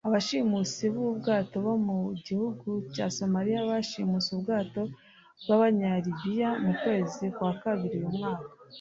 Abashimusi b’ubwato bo mu gihugu cya Somaliya bashimushe ubwato bw’abanyalibiya mu kwezi kwa kabiri uyu mwaka